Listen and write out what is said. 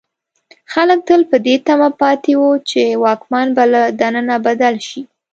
خلک تل په دې تمه پاتې وو چې واکمن به له دننه بدل شي.